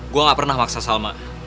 gue gak pernah maksa salma